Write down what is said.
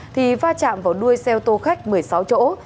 thì va chạm vào đuôi xe ô tô khách một mươi sáu chỗ